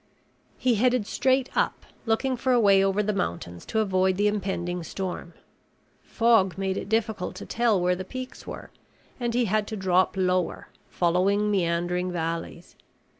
He headed straight up, looking for a way over the mountains to avoid the impending storm. Fog made it difficult to tell where the peaks were and he had to drop lower, following meandering valleys.